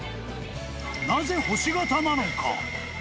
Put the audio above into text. なぜ星形なのか？